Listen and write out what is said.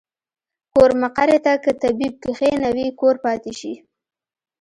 کور مقري ته کۀ طبيب کښېنوې کور پاتې شي